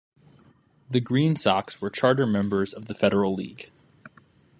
The Green Sox were charter members of the Federal League.